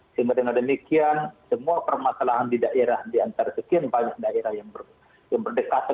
sehingga dengan demikian semua permasalahan di daerah di antara sekian banyak daerah yang berdekatan